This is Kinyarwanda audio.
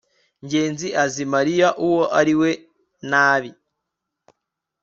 ngenzi azi mariya uwo ari we nabi